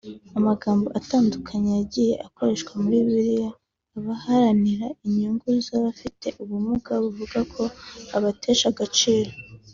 Amagambo atandukanye yagiye akoreshwa muri Bibiliya abaharanira inyungu z’abafite ubumuga bavuga ko abatesha agaciro